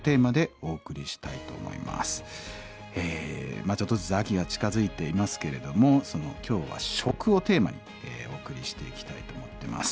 まあちょっとずつ秋が近づいていますけれどもその今日は「食」をテーマにお送りしていきたいと思ってます。